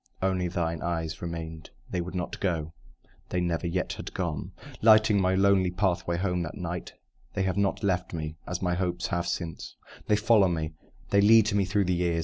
Only thine eyes remained; They would not go they never yet have gone; Lighting my lonely pathway home that night, They have not left me (as my hopes have) since; They follow me they lead me through the years.